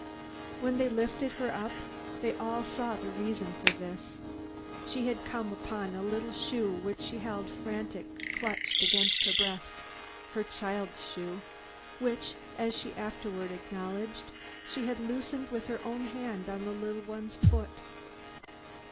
When they lifted her up, they all saw the reason for this. She had come upon a little shoe which she held with frantic clutch against her breast her child's shoe, which, as she afterward acknowledged, she had loosened with her own hand on the little one's foot.